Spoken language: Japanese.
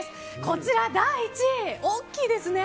こちら、第１位、大きいですね。